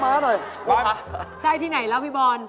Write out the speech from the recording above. บอร์นใช่ที่ไหนแล้วพี่บอร์น